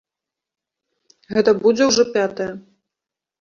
Гэта будзе ўжо пятая.